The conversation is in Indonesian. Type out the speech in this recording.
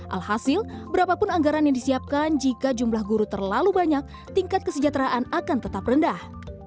alhasil berapapun anggaran yang disiapkan jika jumlah guru terlalu banyak tingkat kesejahteraan akan tetap rendah